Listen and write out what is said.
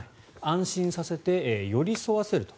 安心させて、寄り添わせると。